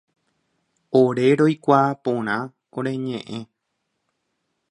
Ore roikuaa porã ore ñe'ẽ